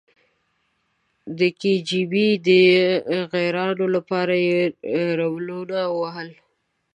د کې جی بي د غیرانونو لپاره یې روبلونه ووهل.